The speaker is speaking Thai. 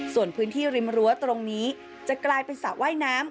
ส่วนพื้นที่ริมรั้วตรงนี้จะกลายเป็นสระว่ายน้ำ